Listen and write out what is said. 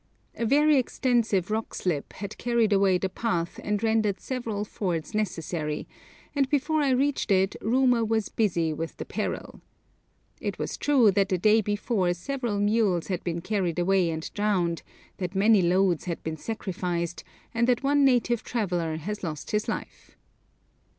A very extensive rock slip had carried away the path and rendered several fords necessary, and before I reached it rumour was busy with the peril. It was true that the day before several mules had been carried away and drowned, that many loads had been sacrificed, and that one native traveller had lost his life.